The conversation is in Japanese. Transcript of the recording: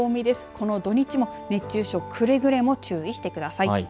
この土日も熱中症くれぐれも注意してください。